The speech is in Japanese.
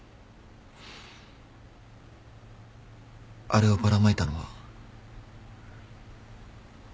あれをばらまいたのは。